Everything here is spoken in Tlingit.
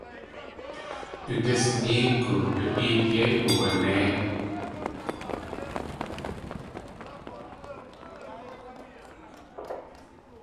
Du dís néegu du éet yéi uwanéi.